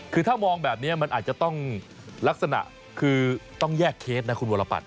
คือถ้ามองแบบนี้มันอาจจะต้องลักษณะคือต้องแยกเคสนะคุณวรปัต